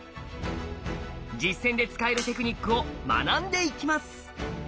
実践で使えるテクニックを学んでいきます。